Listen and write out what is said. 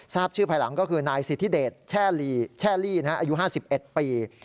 ทราบชื่อภายหลังก็คือนายสิทธิเดชแช่ลี่อายุ๕๑ปี